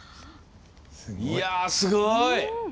すごい！